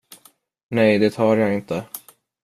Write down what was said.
Nej, det har jag inte.